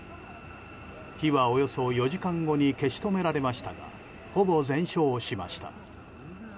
火はおよそ４時間後に消し止められましたがほぼ全焼しました。